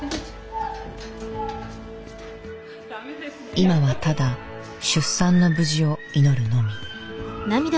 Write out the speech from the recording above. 今はただ出産の無事を祈るのみ。